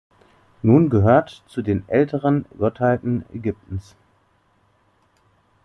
Nun gehört zu den älteren Gottheiten Ägyptens.